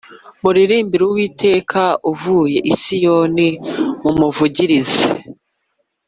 Muririmbire uwiteka utuye i siyoni mumuvugirize